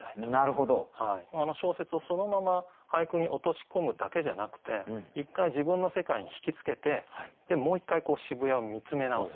小説をそのまま俳句に落とし込むだけじゃなくて一回自分の世界に引き付けてもう一回渋谷を見つめ直すみたいな。